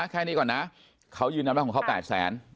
แค่นี้ก่อนนะเขายืนยันว่าของเขา๘แสน